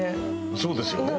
そうですよね。